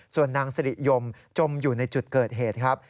ส่วนนางสริยมจมอยู่ในจุดเกิดเหตุครับ